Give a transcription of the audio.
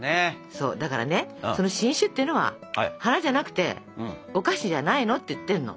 そうだからねその新種っていうのは花じゃなくてお菓子じゃないのって言ってるの。